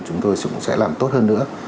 chúng tôi cũng sẽ làm tốt hơn nữa